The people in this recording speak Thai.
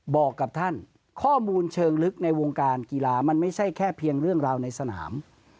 บอกกับท่านข้อมูลเชิงลึกในวงการกีฬามันไม่ใช่แค่เพียงเรื่องราวในสนาม